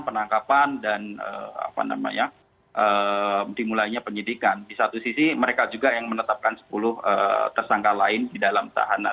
penangkapan dan apa namanya dimulainya penyidikan di satu sisi mereka juga yang menetapkan sepuluh tersangka lain di dalam tahanan